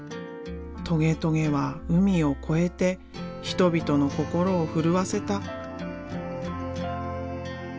トゲトゲは海を越えて人々の心を震わせた。